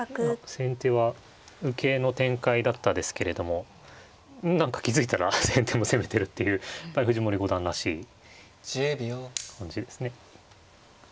先手は受けの展開だったですけれども何か気付いたら先手も攻めてるっていうやっぱり藤森五段らしい感じですね。